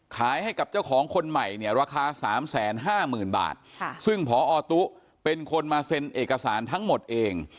ขายให้กับเจ้าของคนใหม่เนี่ยราคา๓๕๐๐๐บาทซึ่งพอตุ๊เป็นคนมาเซ็นเอกสารทั้งหมดเอง